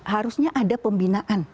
harusnya ada pembinaan